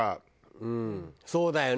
うんそうだよね。